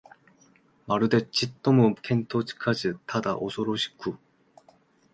まるでちっとも見当つかず、ただおそろしく、